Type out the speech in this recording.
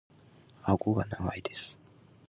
顎が長いです。